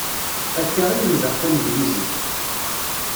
Akka i lemdeɣ taneglizit.